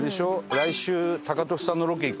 来週タカトシさんのロケ行くんでしょ？